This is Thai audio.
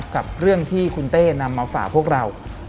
กับเรื่องที่คุณเต้นำมาฝากพวกเรา